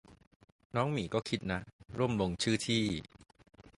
น้องหมีก็คิดนะ ร่วมลงชื่อที่